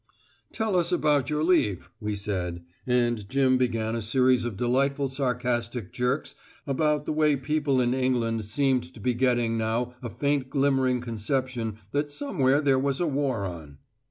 "Tell us about your leave," we said, and Jim began a series of delightful sarcastic jerks about the way people in England seemed to be getting now a faint glimmering conception that somewhere there was a war on.